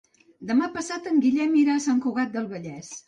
Demà passat en Guillem irà a Sant Cugat del Vallès.